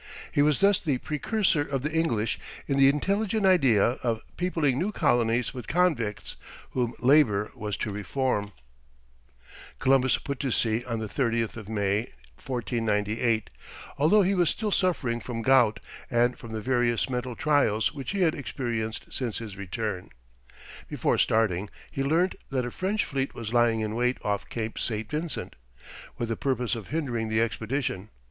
He was thus the precursor of the English in the intelligent idea of peopling new colonies with convicts, whom labour was to reform. [Illustration: Embarkation of Christopher Columbus.] Columbus put to sea on the 30th of May, 1498, although he was still suffering from gout, and from the various mental trials which he had experienced since his return. Before starting, he learnt that a French fleet was lying in wait off Cape St. Vincent, with the purpose of hindering the expedition.